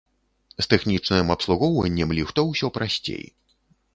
З тэхнічным абслугоўваннем ліфта усё прасцей.